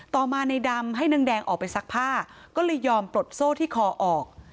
ต่อมาในดำให้นางแดงออกไปซักผ้าก็เลยยอมปลดโซ่ที่คอออก